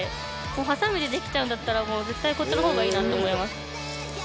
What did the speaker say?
はさみでできちゃうんだったら絶対こっちの方がいいなって思います。